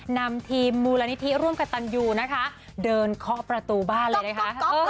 นำทีมมูลนิธิร่วมกับตันยูนะคะเดินเคาะประตูบ้านเลยนะคะ